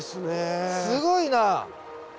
すごいな。